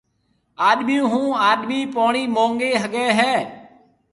آڏمِي هون آڏمِي پوڻِي مونگي هگهي هيَ۔